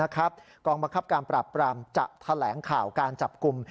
กองบังคับการปราบปรามจะแถลงข่าวการจับกลุ่ม